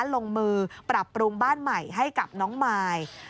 ลงมือปรับปรุงบ้านใหม่ให้กับน้องมาย